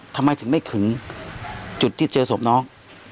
ทำไมถึงไม่ขึงจุดที่เจอศพน้อง